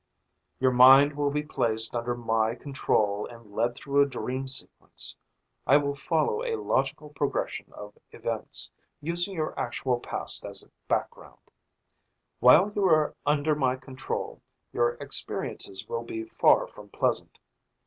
"Your mind will be placed under my control and led through a dream sequence. I will follow a logical progression of events, using your actual past as background. While you are under my control, your experiences will be far from pleasant.